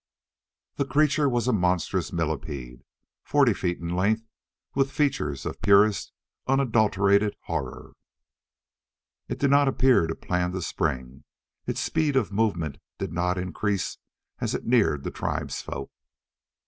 The creature was a monstrous millipede, forty feet in length, with features of purest, unadulterated horror. It did not appear to plan to spring. Its speed of movement did not increase as it neared the tribesfolk.